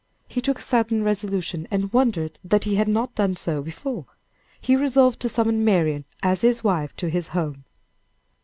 He took a sudden resolution, and wondered that he had not done so before. He resolved to summon Marian as his wife to his home.